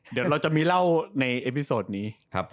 เดี๋ยวเราจะมีเล่าในเอพิโซดนี้ครับ